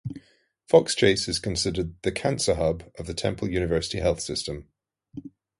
Fox Chase is considered the "Cancer Hub" of the Temple University Health System.